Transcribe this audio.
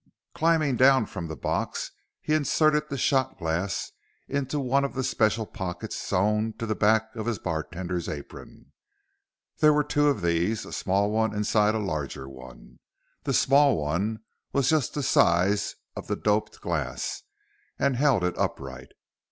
Climbing down from the box, he inserted the shot glass into one of the special pockets sewn to the back of his bartender's apron. There were two of these, a small one inside a larger one. The small one was just the size of the doped glass and held it upright.